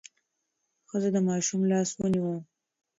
ښځه د ماشوم لاس ونیو.